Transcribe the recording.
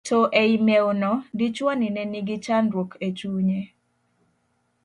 to ei mew no, dichuo ni ne nigi chandruok e chunye